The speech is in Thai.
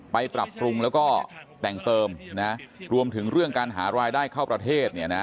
ปรับปรุงแล้วก็แต่งเติมรวมถึงเรื่องการหารายได้เข้าประเทศ